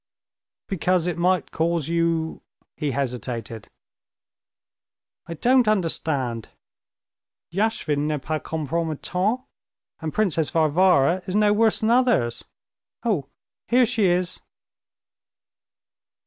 "Because it might cause you...." he hesitated. "I don't understand. Yashvin n'est pas compromettant, and Princess Varvara is no worse than others. Oh, here she is!"